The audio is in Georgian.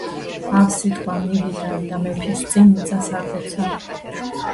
ავსიტყვა მივიდა და მეფის წინ მიწას აკოც.